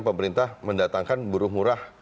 pemerintah mendatangkan buruh murah